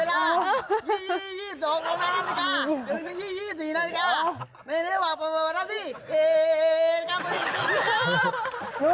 รู้เรื่องไหม